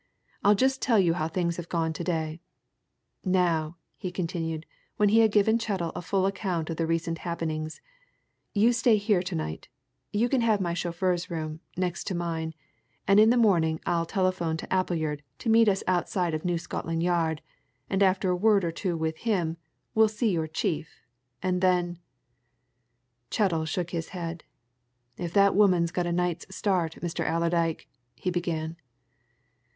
I'll just tell you how things have gone to day. Now," he continued, when he had given Chettle a full account of the recent happenings, "you stay here to night you can have my chauffeur's room, next to mine and in the morning I'll telephone to Appleyard to meet us outside of New Scotland Yard, and after a word or two with him, we'll see your chief, and then " Chettle shook his head. "If that woman got a night's start, Mr. Allerdyke " he began.